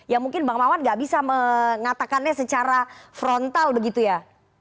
ya mungkin bang mawan gak bisa mengatakannya secara frontal begitu ya